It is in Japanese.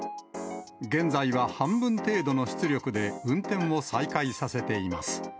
現在は半分程度の出力で運転を再開させています。